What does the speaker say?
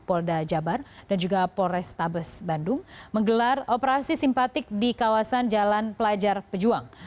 polda jabar dan juga polrestabes bandung menggelar operasi simpatik di kawasan jalan pelajar pejuang